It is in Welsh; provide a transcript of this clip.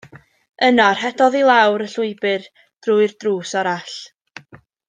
Yna rhedodd i lawr y llwybr drwy'r drws arall.